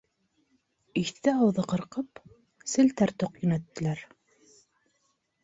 Иҫке ауҙы ҡырҡып, селтәр тоҡ йүнәттеләр.